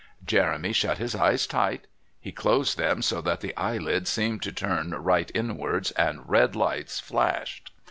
Jeremy shut his eyes tight. He closed them so that the eyelids seemed to turn right inwards and red lights flashed.